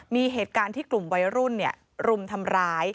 มีเหตุการณ์ที่กลุ่มวัยรุ่นรุมทำร้าย